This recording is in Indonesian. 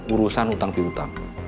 urusan utang piutang